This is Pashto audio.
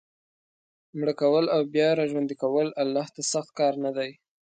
مړه کول او بیا را ژوندي کول الله ته سخت کار نه دی.